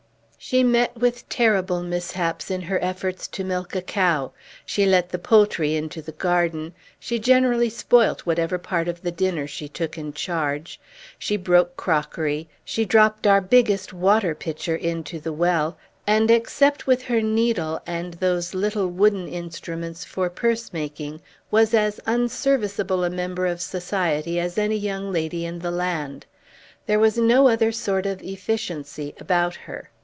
She met with terrible mishaps in her efforts to milk a cow; she let the poultry into the garden; she generally spoilt whatever part of the dinner she took in charge; she broke crockery; she dropt our biggest water pitcher into the well; and except with her needle, and those little wooden instruments for purse making was as unserviceable a member of society as any young lady in the land. There was no other sort of efficiency about her.